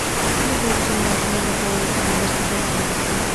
څنګه کولی شم د ماشومانو لپاره د سمندر سفر پلان کړم